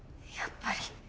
やっぱり。